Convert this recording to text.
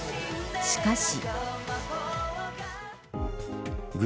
しかし。